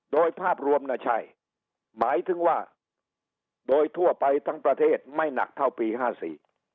โดยภาพรวมน่ะใช่หมายถึงว่าโดยทั่วไปทั้งประเทศไม่หนักเท่าปีห้าสี่